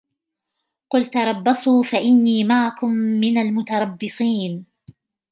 قُلْ تَرَبَّصُوا فَإِنِّي مَعَكُم مِّنَ الْمُتَرَبِّصِينَ